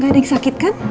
gak ada yang sakit kan